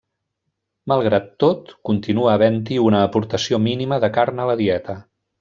Malgrat tot, continua havent-hi una aportació mínima de carn a la dieta.